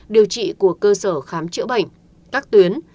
điều trị của cơ sở khám chữa bệnh các tuyến